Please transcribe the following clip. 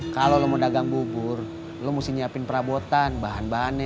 kalau lo mau dagang bubur lo mesti nyiapin perabotan bahan bahannya